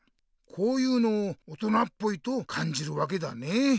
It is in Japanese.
こういうのを「大人っぽい」とかんじるわけだね。